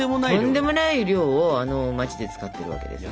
とんでもない量をあの街で使っているわけですね。